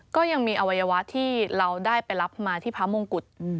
ก็ยังมีอวัยวะที่เราได้ไปรับมาที่พระมงกุฎ